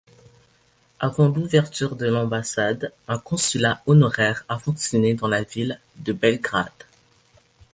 Avant l'ouverture de l'ambassade, un consulat honoraire a fonctionné dans la ville de Belgrade.